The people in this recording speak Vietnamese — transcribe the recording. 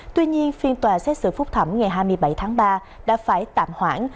tuy nhiên phiên tòa xét xử phúc thẩm ngày hai mươi bảy tháng ba đã phải tạm hoãn